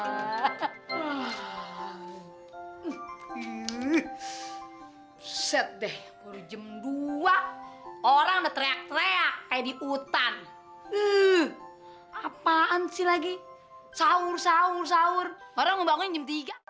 eh beset deh baru jam dua orang udah teriak teriak kayak di hutan eh apaan sih lagi sahur sahur sahur orang mau bangun jam tiga